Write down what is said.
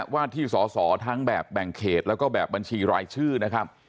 ว่าที่สอสอทั้งแบบแบ่งเขตแล้วก็แบบบัญชีรายชื่อนะครับ